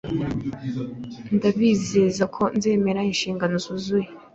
Ndabizeza ko nzemera inshingano zuzuye